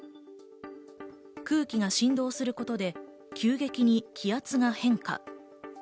空気が振動することで急激に気圧が変化。